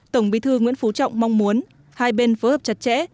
tổng bí thư nguyễn phú trọng mong muốn hai bên phối hợp chặt chẽ